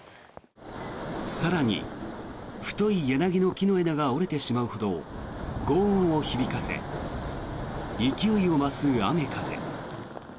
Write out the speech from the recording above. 更に、太い柳の木の枝が折れてしまうほどごう音を響かせ勢いを増す雨、風。